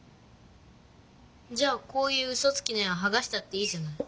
じゃあこういううそつきの絵ははがしたっていいじゃない。